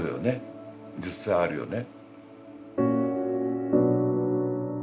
実際あるよね。